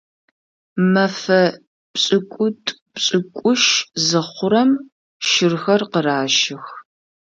Мэфэ пшӏыкӏутӏу-пшӏыкӏутщ зыхъурэм щырхэр къыращых.